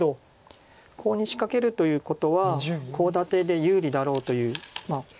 コウに仕掛けるということはコウ立てで有利だろうという。